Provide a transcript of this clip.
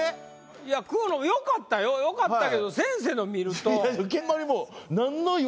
いやくーのもよかったよよかったけど先生の見ると。